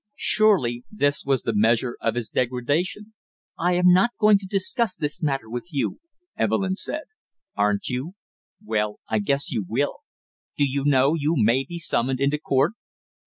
Surely this was the measure of his degradation. "I am not going to discuss this matter with you!" Evelyn said. "Aren't you? Well, I guess you will. Do you know you may be summoned into court?"